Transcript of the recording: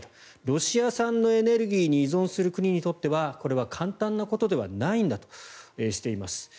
ロシア産のエネルギーに依存する国にとってはこれは簡単なことではないんだとしています。